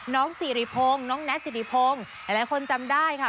น้องสิริพงน้องแน็ตสิริพงหลายคนจำได้ค่ะ